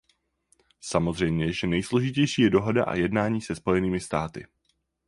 Samozřejmě, že nejsložitější je dohoda a jednání se Spojenými státy.